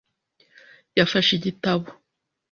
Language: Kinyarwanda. Yafashe igitabo .